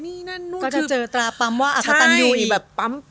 ก็จะเจอตราปั๊มว่าอักตันอยู่อีก